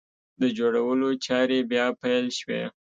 د جوړولو چارې بیا پیل شوې!